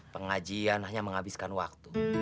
pengajian hanya menghabiskan waktu